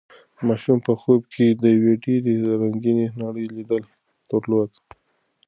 ماشوم په خوب کې د یوې ډېرې رنګینې نړۍ لید درلود.